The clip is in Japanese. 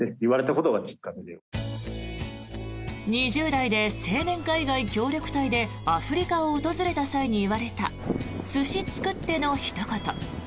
２０代で青年海外協力隊でアフリカを訪れた際に言われた寿司作ってのひと言。